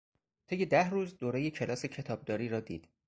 طی ده روز دورهٔ کلاس کتابداری را دید.